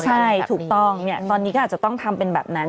ใช่ถูกต้องตอนนี้ก็อาจจะต้องทำเป็นแบบนั้น